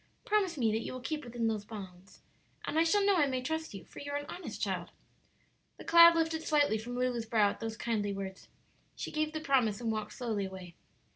"Promise me that you will keep within those bounds, and I shall know I may trust you; for you are an honest child." The cloud lifted slightly from Lulu's brow at those kindly words. She gave the promise, and walked slowly away.